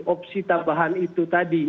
opsi tambahan itu tadi